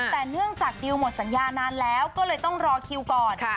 แต่เนื่องจากดิวหมดสัญญานานแล้วก็เลยต้องรอคิวก่อน